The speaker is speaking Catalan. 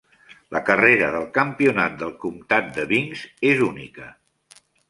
La carrera del Campionat del Comtat de Binks és única.